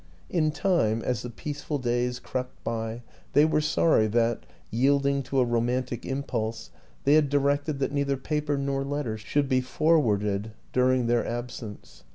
In time, as the peaceful days crept by, they were sorry that, yielding to a romantic impulse, they had directed that neither paper nor letter WILLIAM AN ENGLISHMAN 51 should be forwarded during their absence.